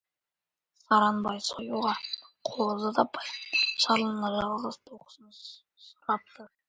Сараң бай союға қозы таппай, жарлының жалғыз тоқтысын сұрапты.